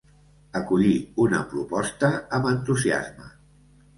Acollir una proposta amb entusiasme.